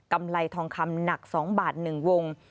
ำไรทองคำหนัก๒บาท๑วง